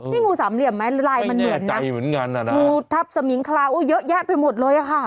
นี่งูสามเหลี่ยมไหมลายมันเหมือนกันน่ะนะงูทับสมิงคลาโอ้เยอะแยะไปหมดเลยอ่ะค่ะ